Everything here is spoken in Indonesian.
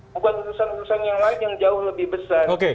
bukan urusan urusan yang lain yang jauh lebih besar